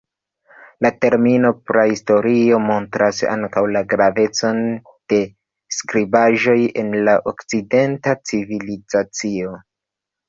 La termino prahistorio montras ankaŭ la gravecon de skribaĵoj en la okcidenta civilizacio.